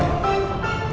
elsa udah sampai